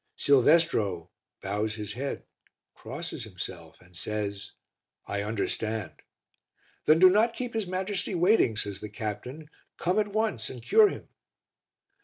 Silvestro bows his head, crosses himself, and says "I understand." "Then do not keep his Majesty waiting," says the captain. "Come at once and cure him."